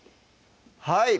はい